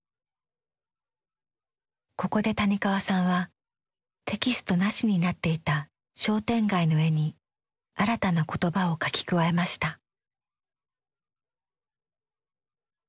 ここで谷川さんはテキストなしになっていた商店街の絵に新たな言葉を書き加えました。